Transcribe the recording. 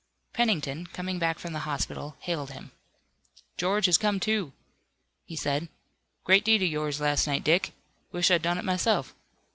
Pennington, coming back from the hospital, hailed him. "George has come to," he said. "Great deed of yours last night, Dick. Wish I'd done it myself.